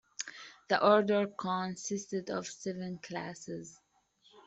The order consisted of seven classes.